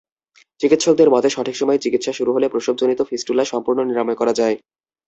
চিকিৎসকদের মতে, সঠিক সময়ে চিকিৎসা শুরু হলে প্রসবজনিত ফিস্টুলা সম্পূর্ণ নিরাময় করা যায়।